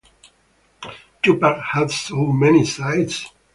Tupac had so many sides.